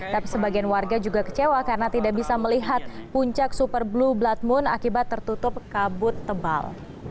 tapi sebagian warga juga kecewa karena tidak bisa melihat puncak super blue blood moon akibat tertutup kabut tebal